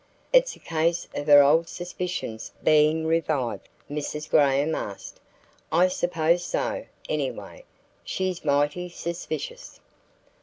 "It's a case of her old suspicions being revived?" Mrs. Graham asked. "I suppose so; anyway, she's mighty suspicious."